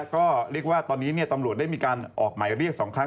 ก็เรียกว่าตอนนี้ตำรวจได้มีการออกหมายเรียก๒ครั้ง